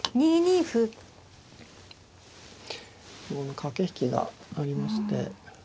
駆け引きがありまして。